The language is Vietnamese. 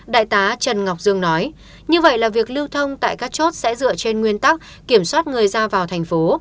đại tá trần ngọc dương nói như vậy là việc lưu thông tại các chốt sẽ dựa trên nguyên tắc kiểm soát người ra vào thành phố